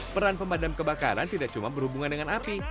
peran pemadam kebakaran tidak cuma berhubungan dengan api